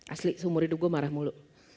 asli seumur hidup gue marah mulu